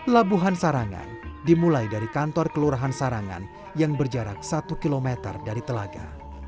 labuhan sarangan dimulai dari kantor kelurahan sarangan yang berjarak satu km dari telaga